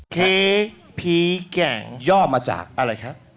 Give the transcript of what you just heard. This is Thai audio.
เค้กผีแก่งย่อมาจากอะไรครับ